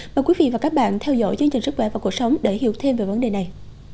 mời quý vị và các bạn theo dõi chương trình sức khỏe và cuộc sống để hiểu thêm về vấn đề này